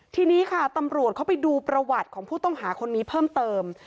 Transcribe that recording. ทีนี้ค่ะตำรวจเข้าไปดูประวัติของผู้ต้องหาคนนี้เพิ่มเติม